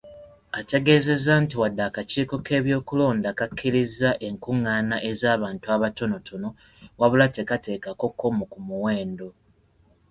Ategeezezza nti wadde akakiiko k'ebyokulonda kakkiriza enkungaana ez'abantu abatonotono, wabula tekaateekako kkomo ku muwendo.